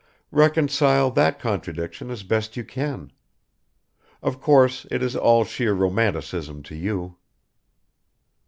Reconcile that contradiction as best you can. Of course it is all sheer romanticism to you."